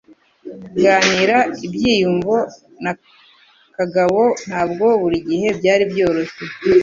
Kuganira ibyiyumvo na Kagabo ntabwo buri gihe byari byoroshye.